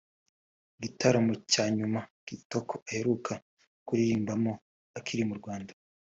Igitaramo cya nyuma Kitoko aheruka kuririmbamo akiri mu Rwanda